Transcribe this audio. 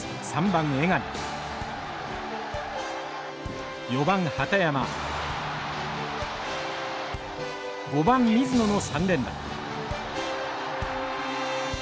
３番江上４番畠山５番水野の３連打。